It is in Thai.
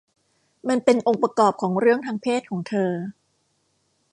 มันเป็นองค์ประกอบของเรื่องทางเพศของเธอ